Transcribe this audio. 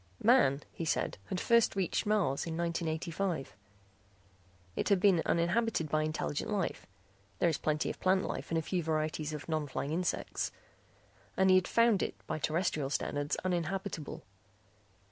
Man, he said, had first reached Mars in 1985. It had been uninhabited by intelligent life (there is plenty of plant life and a few varieties of non flying insects) and he had found it by terrestrial standards uninhabitable.